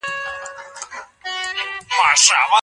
پر خاوند باندي د ميرمني مور څه حکم لري؟